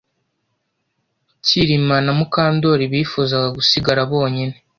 Kirima na Mukandoli bifuzaga gusigara bonyine